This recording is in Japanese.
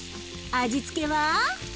味付けは。